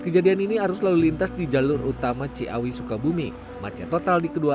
kejadian ini arus lalu lintas di jalur utama ciawi sukabumi macet total di kedua